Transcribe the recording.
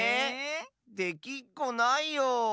できっこないよ。